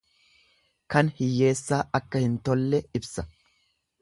Kan hiyyeessaa akka hin tollee ibsa.